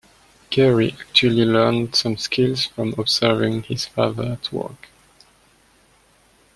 Gerry actually learned some skills from observing his father at work.